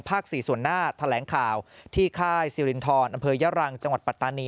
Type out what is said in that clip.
๔ส่วนหน้าแถลงข่าวที่ค่ายสิรินทรอำเภอยะรังจังหวัดปัตตานี